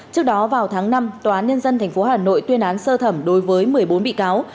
trước đó vào tháng năm tòa án nhân dân tp hà nội tuyên án sơ thẩm đối với một mươi bốn bị cáo